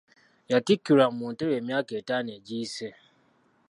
Yattikirwa mu ntebe emyaka etaano egiyise.